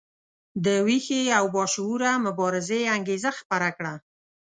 د ویښې او باشعوره مبارزې انګیزه خپره کړه.